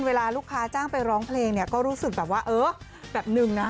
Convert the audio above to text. เวลาลูกค้าจ้างไปร้องเพลงเนี่ยก็รู้สึกแบบว่าเออแบบหนึ่งนะ